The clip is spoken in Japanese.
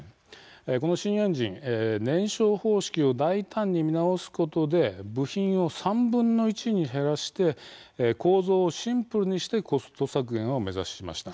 この新エンジン燃焼方式を大胆に見直すことで部品を３分の１に減らして構造をシンプルにしてコスト削減を目指しました。